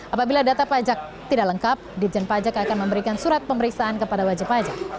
apabila data pajak tidak lengkap dirjen pajak akan memberikan surat pemeriksaan kepada wajib pajak